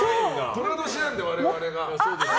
寅年なので、我々が。